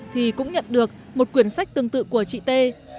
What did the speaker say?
thì cũng nhận được một quyển sách tương tự của chị t